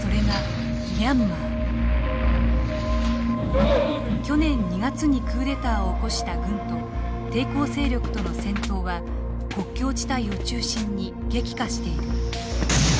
それが去年２月にクーデターを起こした軍と抵抗勢力との戦闘は国境地帯を中心に激化している。